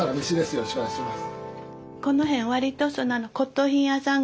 よろしくお願いします。